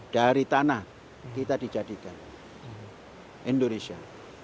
dari tanah kita dijadikan indonesia